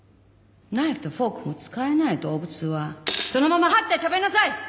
ナイフとフォークも使えない動物はそのままはって食べなさい！